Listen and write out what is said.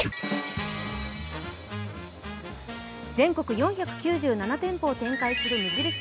全国４９７店舗を展開する無印